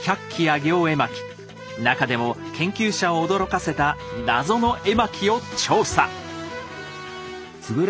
なかでも研究者を驚かせた謎の絵巻を調査！